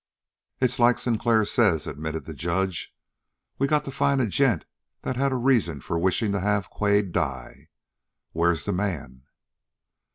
"It's like Sinclair says," admitted the judge. "We got to find a gent that had a reason for wishing to have Quade die. Where's the man?"